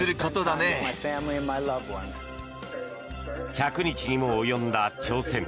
１００日にも及んだ挑戦。